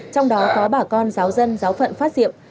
trong đó có bà con giáo dân giáo phận phát diệm